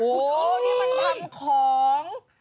โอ้โหนี่มันทำของ